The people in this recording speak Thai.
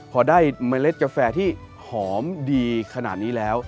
พอได้เมล็ดกาแฟที่หอมดีขนาดนี้แล้ว